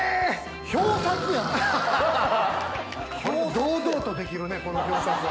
堂々とできるねこの表札は。